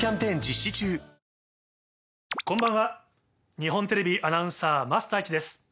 日本テレビアナウンサー桝太一です。